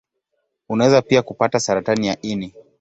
Unaweza pia kupata saratani ya ini.